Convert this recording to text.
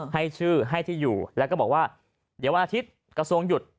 ให้ชื่อให้ที่อยู่แล้วก็บอกว่าเดี๋ยววันอาทิตย์กระทรวงหยุด